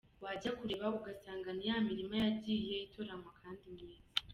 wajya kureba ugasanga ni ya mirima yagiye itoranywa kandi myiza.